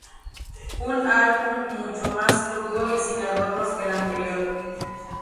Un álbum mucho más crudo y sin adornos que el anterior.